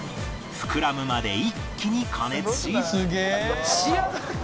膨らむまで一気に加熱し